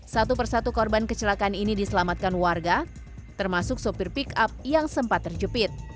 satu persatu korban kecelakaan ini diselamatkan warga termasuk sopir pick up yang sempat terjepit